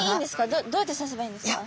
どうやって刺せばいいんですか？